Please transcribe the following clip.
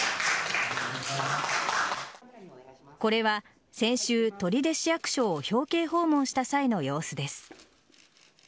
今年は先週取手市役所を表敬訪問した際の様子です。